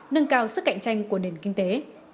nâng cao sức cạnh tranh của nền kinh tế